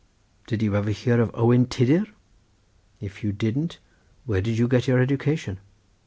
Did you never hear of Owen Tiddir? If you didn't, where did you get your education?"